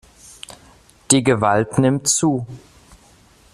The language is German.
Die Gewalt nimmt zu.